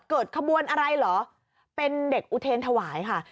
ขบวนอะไรเหรอเป็นเด็กอุเทรนถวายค่ะ